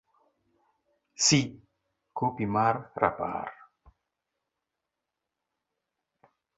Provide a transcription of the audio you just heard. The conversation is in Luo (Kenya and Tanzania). c-Kopi mar Rapar